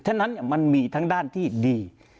ฉะนั้นมันมีทั้งด้านที่ดี